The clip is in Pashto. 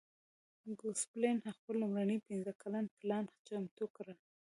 ګوسپلن خپل لومړنی پنځه کلن پلان چمتو کړ.